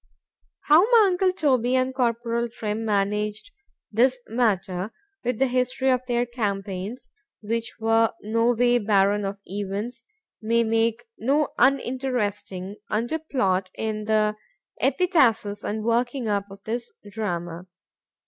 How my uncle Toby and Corporal Trim managed this matter,—with the history of their campaigns, which were no way barren of events,——may make no uninteresting under plot in the epitasis and working up of this drama.